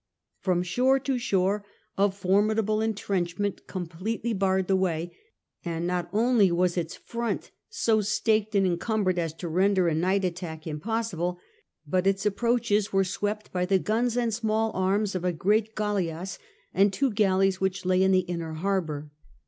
From shore to shore a formidable entrenchment completely barred the way, and not only was its front so staked and encumbered as to render a night attack impossible, but its approaches were swept by the guns and small arms of a great galleasse and two galleys which lay in the inner harbour.